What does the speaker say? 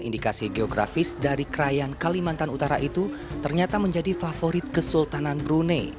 indikasi geografis dari krayan kalimantan utara itu ternyata menjadi favorit kesultanan brunei